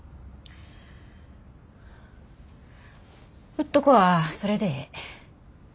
うっとこはそれでええ。